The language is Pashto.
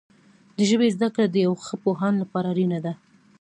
د ژبې زده کړه د یو ښه پوهاند لپاره اړینه ده.